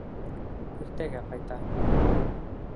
Иртәгә ҡайта.